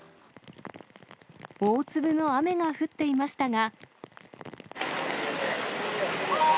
大粒の雨が降っていましたが。